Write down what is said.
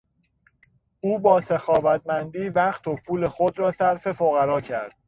او با سخاوتمندی وقت و پول خود را صرف فقرا کرد.